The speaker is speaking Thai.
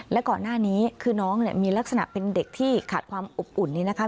และก่อนหน้านี้คือน้องเนี่ยมีลักษณะเป็นเด็กที่ขาดความอบอุ่นนี้นะคะ